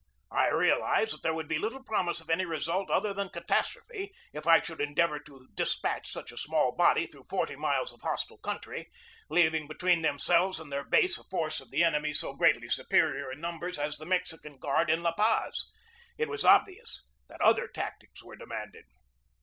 I real ized that there would be little promise of any re sult other than catastrophe if I should endeavor to despatch such a small body through forty miles of hostile country, leaving between themselves and their base a force of the enemy so greatly superior in numbers as the Mexican guard in La Paz. It was obvious that other tactics were demanded.